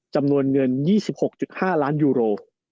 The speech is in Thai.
จำนวนเงิน๒๖๕ล้านยูโร